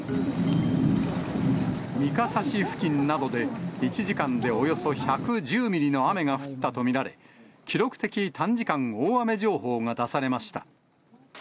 三笠市付近などで、１時間でおよそ１１０ミリの雨が降ったと見られ、記録的短時間大雨情報が出されました。